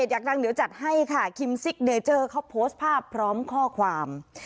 อยากดังเดี๋ยวจัดให้ค่ะคิมซิกเนเจอร์เขาโพสต์ภาพพร้อมข้อความ